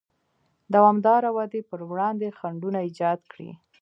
دوامداره ودې پر وړاندې خنډونه ایجاد کړي.